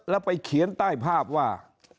แล้วไปเขียนใต้ภาพว่า